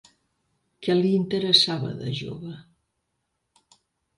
Què li interessava de jove?